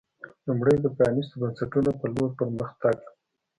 لومړی د پرانېستو بنسټونو په لور پر مخ تګ